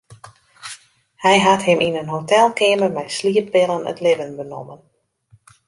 Hy hat him yn in hotelkeamer mei slieppillen it libben benommen.